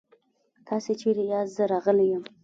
تاسې چيرته ياست؟ زه راغلی يم.